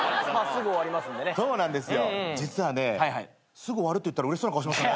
「すぐ終わる」って言ったらうれしそうな顔しましたね。